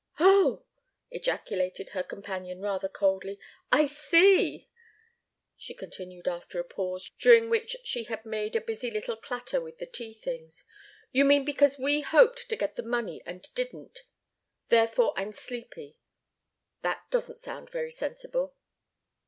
"Oh!" ejaculated her companion, rather coldly. "I see," she continued after a pause, during which she had made a busy little clatter with the tea things, "you mean because we hoped to get the money and didn't therefore, I'm sleepy. That doesn't sound very sensible."